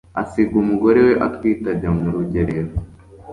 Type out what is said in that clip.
Asiga umugore we atwite ajya mu rugerero